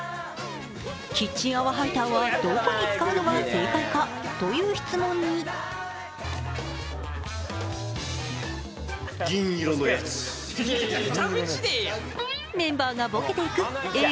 キッチン泡ハイターは、どこに使うのが正解かという質問にメンバーがボケていくＡぇ！